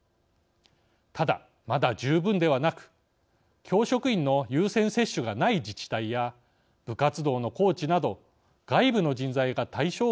ただまだ十分ではなく教職員の優先接種がない自治体や部活動のコーチなど外部の人材が対象外のところもあります。